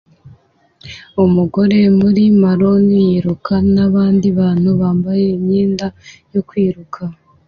umugore muri maroon yiruka nabandi bantu bambaye imyenda yo kwiruka